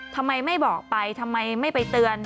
ทำไมไม่บอกไปทำไมไม่ไปเตือน